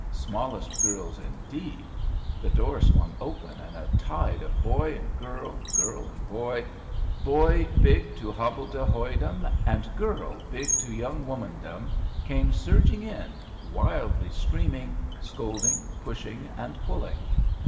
"Smallest girls," indeed! The door swung open, and a tide of boy and girl, girl and boy, boy big to hobble de hoy dom, and girl big to young woman dom, came surging in, wildly screaming, scolding, pushing, and pulling.